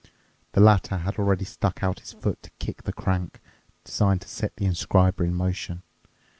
The latter had already stuck out his foot to kick the crank designed to set the inscriber in motion.